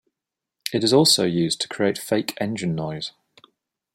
It is also used to create fake engine noise.